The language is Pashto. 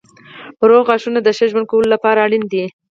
روغ غاښونه د ښه ژوند کولو لپاره اړین دي.